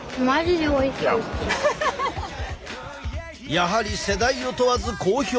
やはり世代を問わず好評！